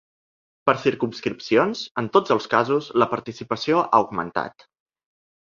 Per circumscripcions, en tots els casos la participació ha augmentat.